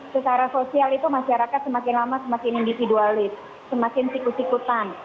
secara sosial itu masyarakat semakin lama semakin individualis semakin sikut sikutan